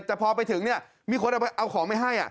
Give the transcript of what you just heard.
แต่พอไปถึงเนี่ยมีคนเอาของไปให้